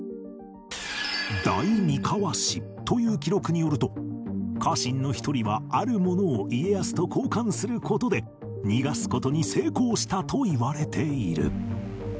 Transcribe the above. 『大三川志』という記録によると家臣の一人はあるものを家康と交換する事で逃がす事に成功したといわれている